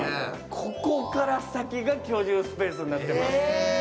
ここから先が居住スペースになってます。